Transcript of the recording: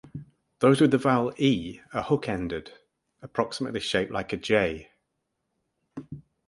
Those with the vowel "e" are hook-ended, approximately shaped like a "J.